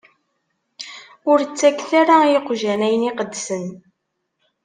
Ur ttaket ara i yiqjan ayen iqedsen.